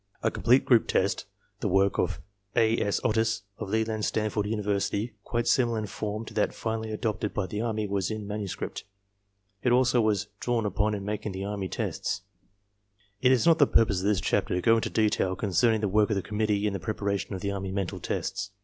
A complete group test, the work of A. S. Otis of Leland Stanford University, quite similar in form to that finally adopted by the Army was in manuscript. It also was drawn upon in making the army \ tests. It is not the purpose of this chapter to go into detail concern ing the work of the conmiittee in the preparation of the army mental tests.